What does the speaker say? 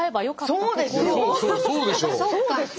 そうですよ！